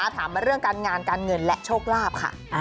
ถามมาเรื่องการงานการเงินและโชคลาภค่ะ